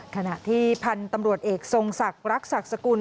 ขณะที่พันธุ์ตำรวจเอกทรงศักดิ์รักศักดิ์สกุล